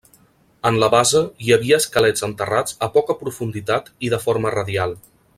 En la base hi havia esquelets enterrats a poca profunditat i de forma radial.